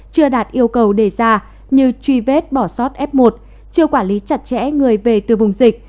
chưa đạt yêu cầu đề ra như truy vết bỏ sót f một chưa quản lý chặt chẽ người về từ vùng dịch